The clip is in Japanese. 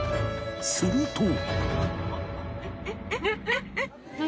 すると